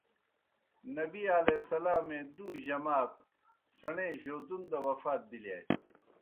نبی علیہ السلام اے دُو جماتَ سیݨے جودُن دہ وفات بِلِیاسی۔